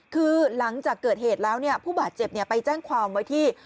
คือหลังจากเกิดเหตุแล้วผู้บาดเจ็บไปแจ้งความไว้ที่